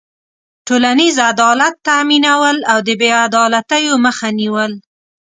ټولنیز عدالت تأمینول او بېعدالتيو مخه نېول.